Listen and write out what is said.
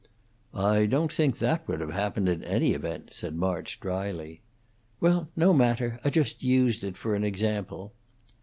"I don't think that would have happened in any event," said March, dryly. "Well, no matter. I just used it for an example."